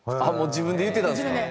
もう自分で言うてたんですか？